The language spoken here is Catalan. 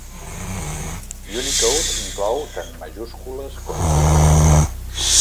Unicode inclou tant majúscules com minúscules.